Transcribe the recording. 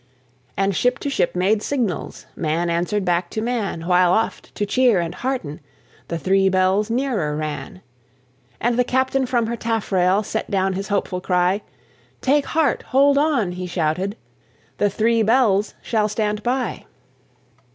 And ship to ship made signals, Man answered back to man, While oft, to cheer and hearten, The Three Bells nearer ran: And the captain from her taffrail Sent down his hopeful cry. "Take heart! Hold on!" he shouted, "The Three Bells shall stand by!"